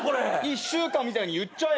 一週間みたいに言っちゃえ。